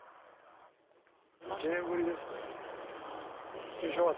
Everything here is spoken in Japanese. １年ぶりです。